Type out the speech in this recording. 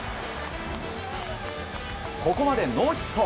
ここまでノーヒット。